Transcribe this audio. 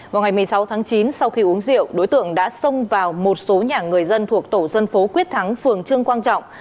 vào ngày một mươi sáu tháng chín sau khi uống rượu đối tượng đã xông vào một số nhà người dân thuộc tổ dân phố quyết thắng phường trương quang trọng